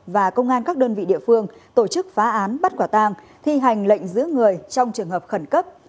và công an các đơn vị địa phương tổ chức phá án bắt quả tang thi hành lệnh giữ người trong trường hợp khẩn cấp